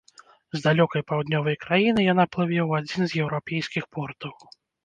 З далёкай паўднёвай краіны яна плыве ў адзін з еўрапейскіх портаў.